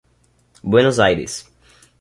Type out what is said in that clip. Buenos Aires